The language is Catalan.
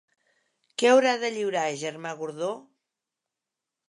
Què haurà de lliurar Germà Gordó?